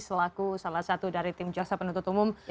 selaku salah satu dari tim jasa penutup umum